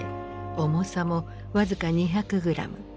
重さも僅か２００グラム。